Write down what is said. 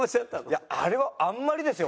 いやあれはあんまりですよ